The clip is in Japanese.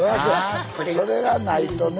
それがないとね